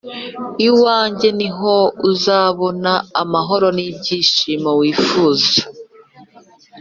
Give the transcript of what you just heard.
iwanjye niho uzabona amahoro n’ibyishimo wifuza.